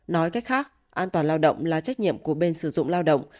nói cách khác an toàn lao động là trách nhiệm của bên sử dụng lao động